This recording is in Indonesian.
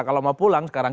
kalau mau pulang sekarang